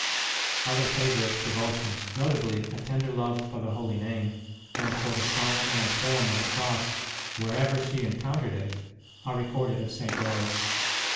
Other favourite devotions, notably a tender love for the Holy Name, and for the sign and form of the Cross wherever she encountered it, are re corded of St. Rose.